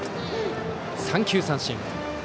三球三振。